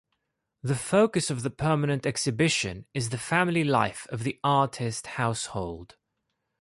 The focus of the permanent exhibition is the family life of the artist household.